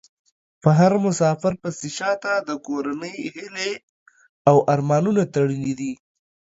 په هر مسافر پسې شا ته د کورنۍ هيلې او ارمانونه تړلي دي .